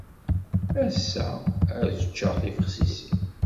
Ass-a, ad ččeɣ tibexsisin.